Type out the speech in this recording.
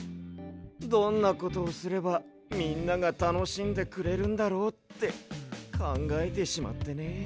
どんなことをすればみんながたのしんでくれるんだろうってかんがえてしまってね。